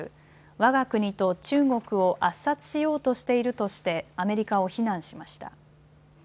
わが国と中国を圧殺しようとしているとしてアメリカを非難しました。